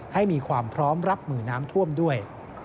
ให้มีความพร้อมรับมือน้ำท่วมด้วย